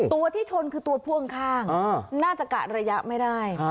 ตัวที่ชนคือตัวพ่วงข้างน่าจะกะระยะไม่ได้